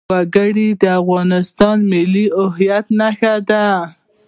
وګړي د افغانستان د ملي هویت نښه ده.